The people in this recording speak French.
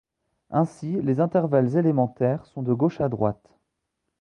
Ainsi, les intervalles élémentaires, sont de gauche à droite.